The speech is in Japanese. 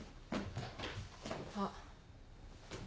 あっ。